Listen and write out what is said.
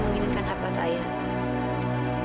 mama mau buat siapa